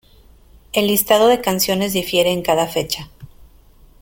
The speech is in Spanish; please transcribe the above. El Listado de canciones difiere en cada fecha.